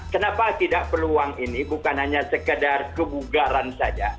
kenapa tidak peluang ini bukan hanya sekedar kebugaran saja